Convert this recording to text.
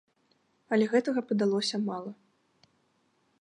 Але гэтага падалося мала.